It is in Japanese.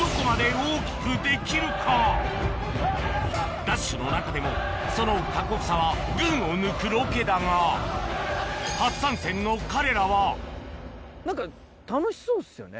『ＤＡＳＨ‼』『ＤＡＳＨ‼』の中でもその過酷さは群を抜くロケだが初参戦の彼らは何か楽しそうっすよね。